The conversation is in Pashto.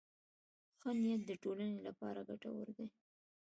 ښه نیت د ټولنې لپاره ګټور دی.